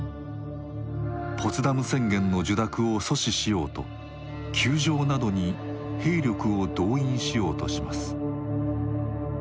ポツダム宣言の受諾を阻止しようと宮城などに兵力を動員しようとします。